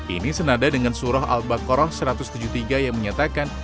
ini senada dengan surah al baqarah satu ratus tujuh puluh tiga yang menyatakan